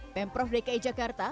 pemprov dki jakarta